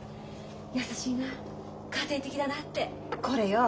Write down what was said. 優しいな家庭的だなってこれよ。